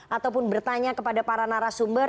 ataupun bertanya kepada para narasumber